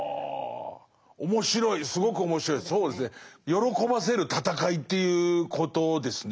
喜ばせる戦いということですね。